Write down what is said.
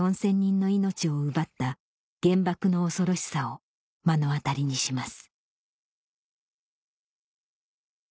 の命を奪った原爆の恐ろしさを目の当たりにします